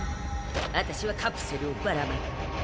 あたしはカプセルをばらまく。